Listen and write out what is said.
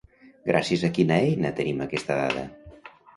Gràcies a quina eina tenim aquesta dada?